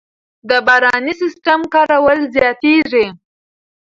د باراني سیستم کارول زیاتېږي.